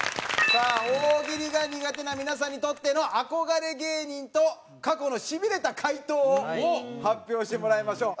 さあ大喜利が苦手な皆さんにとっての憧れ芸人と過去のシビれた回答を発表してもらいましょう。